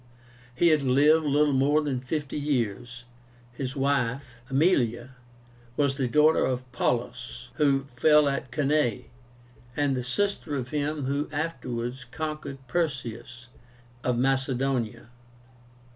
He had lived little more than fifty years. His wife, Aemilia, was the daughter of Paullus, who fell at Cannae, and the sister of him who afterwards conquered Perseus of Macedonia.